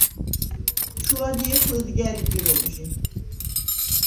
ჩუ ადჲეხ ლჷდგა̈რი პირობჟი.